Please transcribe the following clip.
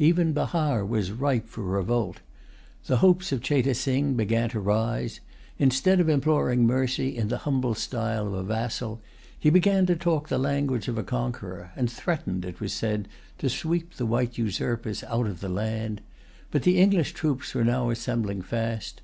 Even Bahar was ripe for revolt. The hopes of Cheyte Sing began to rise. Instead of imploring mercy in the humble style of a vassal, he began to talk the language of a conqueror, and threatened, it was said, to sweep the white usurpers out of the land. But the English troops were now assembling fast.